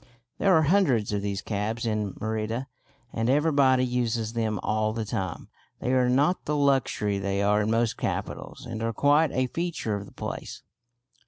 There are hundreds of these cabs in Merida, and everybody uses them all the time. They are not the luxury they are in most capitals, and are quite a feature of the place.